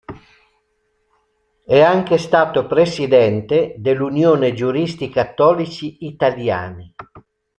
È anche stato presidente dell'Unione giuristi cattolici italiani.